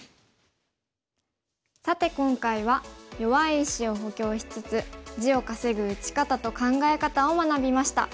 さて今回は弱い石を補強しつつ地を稼ぐ打ち方と考え方を学びました。